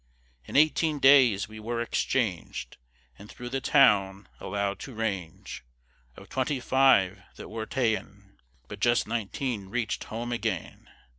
In eighteen days we were exchang'd, And through the town allowed to range; Of twenty five that were ta'en, But just nineteen reach'd home again.